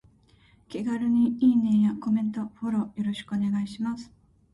気軽にいいねやコメント、フォローよろしくお願いします。